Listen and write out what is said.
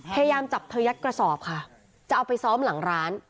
พยายามจับเธอยัดกระสอบค่ะจะเอาไปซ้อมหลังร้าน